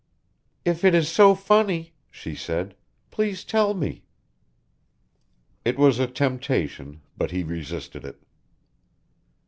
"If it is so funny," she said, "please tell me." It was a temptation, but he resisted it.